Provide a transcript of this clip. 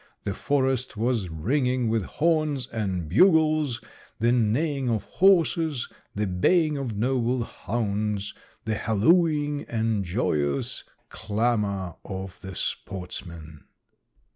The forest was ringing with horns and bugles, the neighing of horses, the baying of noble hounds, the hallooing and joyous clamor of the sportsmen.